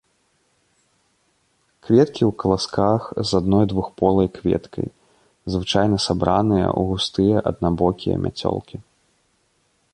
Кветкі ў каласках з адной двухполай кветкай, звычайна сабраныя ў густыя аднабокія мяцёлкі.